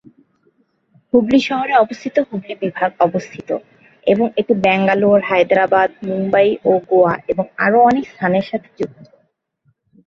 হুবলি শহরে অবস্থিত হুবলি বিভাগ অবস্থিত এবং এটি ব্যাঙ্গালোর, হায়দরাবাদ, মুম্বাই ও গোয়া এবং আরও অনেক স্থানের সাথে যুক্ত।